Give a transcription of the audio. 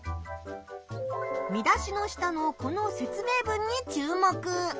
見出しの下のこの説明文に注目！